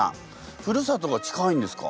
ふるさとが近いんですか？